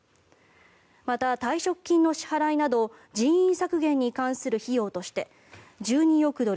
また、退職金の支払いなど人員削減に関する費用として１２億ドル